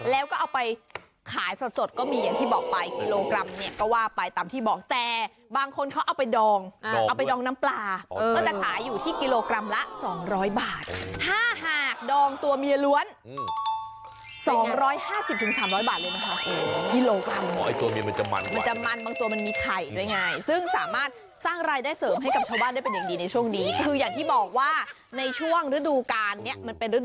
แล้วก็เอาไปขายสดก็มีอย่างที่บอกไป